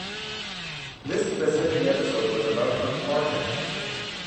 This specific episode was about contortionism.